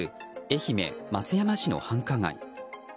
愛媛・松山市の繁華街。